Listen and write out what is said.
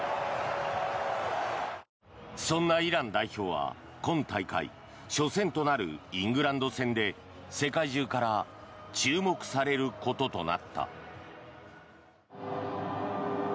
そんなイラン代表は今大会初戦となるイングランド戦で世界中から注目されることとなった。